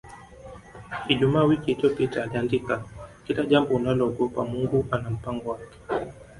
Ijumaa wiki iliyopita aliandika Kila jambo unaloogopa Mungu ana mpango wake